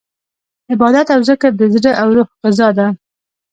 عبادت او ذکر د زړه او روح غذا ده.